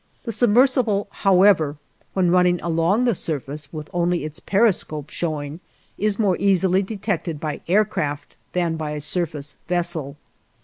The submersible, however, when running along the surface with only its periscope showing, is more easily detected by aircraft than by a surface vessel.